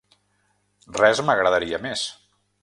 Res m'agradaria més.